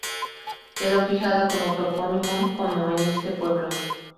Quedó fijada como topónimo como en este pueblo.